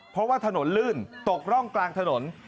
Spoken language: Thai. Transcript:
เพราะว่าถนนลื่นตกร่องกลางถนน